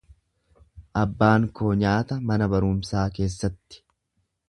Abbaan koo nyaata mana barumsaa keessatti.